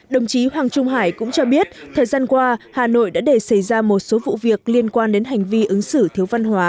đồng chí hoàng trung hải cũng cho biết thời gian qua hà nội đã để xảy ra một số vụ việc liên quan đến hành vi ứng xử thiếu văn hóa